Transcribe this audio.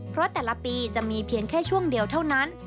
เพราะแต่ละปีจะมีเพียงแค่ช่วงเดียวเท่านั้น